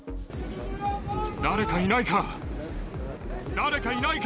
誰かいないか。